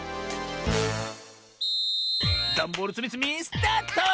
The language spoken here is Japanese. ダンボールつみつみスタート！